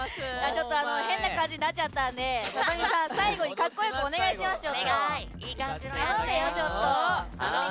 ちょっと変な感じになっちゃったんでさとみさん、最後にかっこよくお願いしますよ。